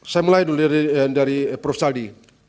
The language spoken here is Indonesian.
saya mulai dulu dari prof saldi